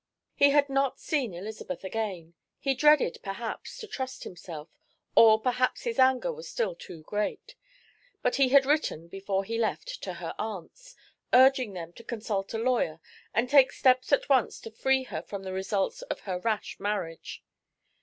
He had not seen Elizabeth again. He dreaded, perhaps, to trust himself, or perhaps his anger was still too great. But he had written before he left to her aunts, urging them to consult a lawyer and take steps at once to free her from the results of her rash marriage.